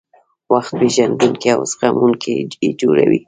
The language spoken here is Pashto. وخت پېژندونکي او زغموونکي یې جوړوي.